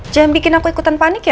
jangan bikin aku ikutan panik ya